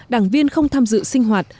đảng viên không tham dự sinh hoạt